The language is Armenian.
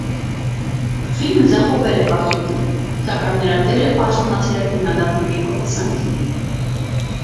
Ֆիլմը ձախողվել է վարձույթում, սակայն նրա դերը արժանացել է քննադատների գովասանքին։